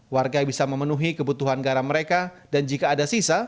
warga bisa memenuhi kebutuhan garam mereka dan jika ada sisa